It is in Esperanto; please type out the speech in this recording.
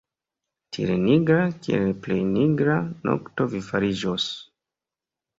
Tiel nigra, kiel la plej nigra nokto vi fariĝos!".